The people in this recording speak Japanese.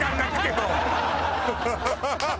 ハハハハ！